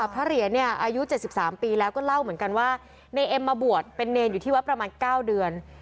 พระเหรียญเนี่ยอายุ๗๓ปีแล้วก็เล่าเหมือนกันว่าในเอ็มมาบวชเป็นเนรอยู่ที่วัดประมาณ๙เดือน